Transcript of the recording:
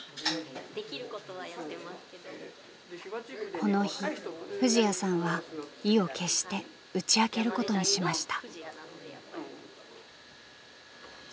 この日藤彌さんは意を決して打ち明けることにしました。